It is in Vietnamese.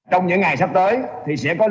trong những ngày sắp tới thì sẽ có lực lượng